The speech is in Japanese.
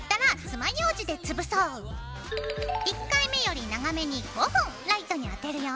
１回目より長めに５分ライトに当てるよ。